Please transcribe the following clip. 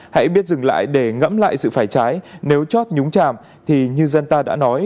hãy biết dừng lại để ngẫm lại sự phải trái nếu chót nhúng chàm thì như dân ta đã nói